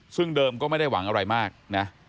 ซึ่งเดิมก็ไม่ได้หวังอะไรมากนะ